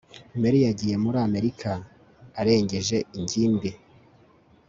mary yagiye muri amerika arengeje ingimbi